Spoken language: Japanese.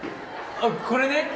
あっこれね。